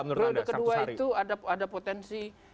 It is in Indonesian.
periode kedua itu ada potensi